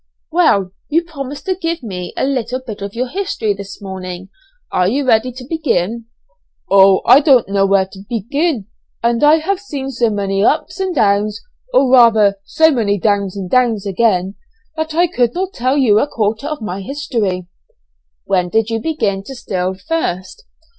"Well, you promised to give me a little bit of your history this morning, are you ready to begin?" "Oh! I don't know where to begin, and I have seen so many ups and downs, or rather so many downs and downs again, that I could not tell you a quarter of my history." "When did you begin to steal first?"